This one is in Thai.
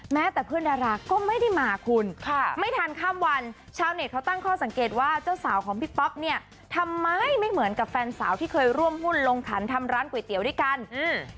แต่เพื่อนดาราก็ไม่ได้มาคุณค่ะไม่ทันข้ามวันชาวเน็ตเขาตั้งข้อสังเกตว่าเจ้าสาวของพี่ป๊อปเนี่ยทำไมไม่เหมือนกับแฟนสาวที่เคยร่วมหุ้นลงขันทำร้านก๋วยเตี๋ยวด้วยกันอืม